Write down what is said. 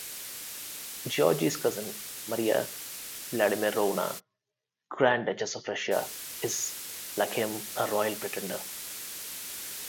Giorgi's cousin, Maria Vladimirovna, Grand Duchess of Russia is, like him, a royal pretender.